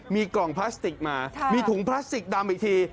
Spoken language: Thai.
มีกล่องพลาสติกมามีถุงพลาสติกดำอีกที